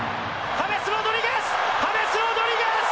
ハメス・ロドリゲス！